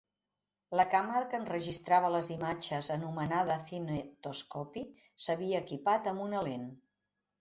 La càmera que enregistrava les imatges, anomenada "cinetoscopi", s'havia equipat amb una lent.